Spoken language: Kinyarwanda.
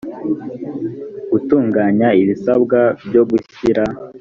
gutunganya ibisabwa byo gushyira